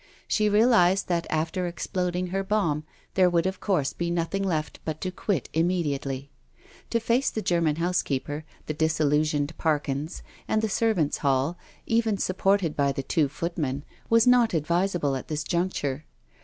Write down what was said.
She realised that after exploding her bomb there would of course be nothing left but to quit immediately. To face the German housekeeper, the disillusioned Parkins, and the servants' hall, even supported by the two foot men, was not advisable at this juncture.